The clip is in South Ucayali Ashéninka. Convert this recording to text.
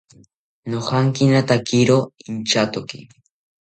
Nojankinatakiro inchatoki